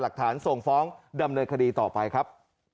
ส่งฟ้องดำเนินคดีต่อไปครับ